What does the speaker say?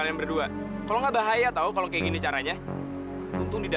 sampai jumpa di video selanjutnya